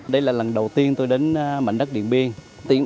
đây là lần đầu tiên tôi đến mạnh đất điện biên